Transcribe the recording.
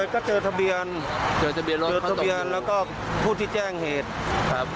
ก็เจอทะเบียนเจอทะเบียนแล้วก็ผู้ที่แจ้งเหตุครับ